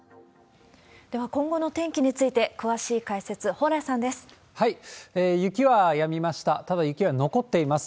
では、今後の天気について詳しい解説、蓬莱さんです。